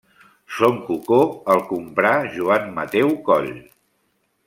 Son Cocó el comprà Joan Mateu Coll.